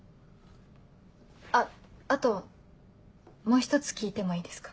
あっあともう一つ聞いてもいいですか？